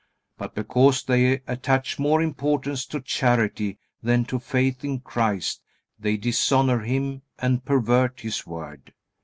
But because they attach more importance to charity than to faith in Christ they dishonor Him and pervert His Word.